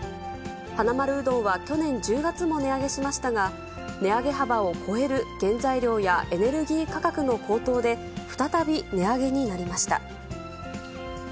はなまるうどんは去年１０月も値上げしましたが、値上げ幅を超える原材料やエネルギー価格の高騰で、再び値上げになりました。